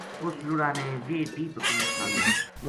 اُس لُڑا نے ویہ بیہہ بکری سامی